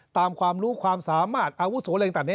ความรู้ความสามารถอาวุโสอะไรต่างนี้